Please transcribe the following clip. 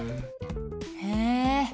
へえ。